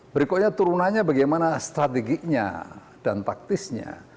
berikutnya turunannya bagaimana strateginya dan taktisnya